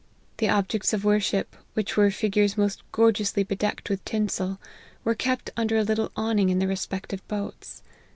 The objects of worship, which were figures most gorgeously bedecked with tinsel, were kept under a little awning in their respective boats.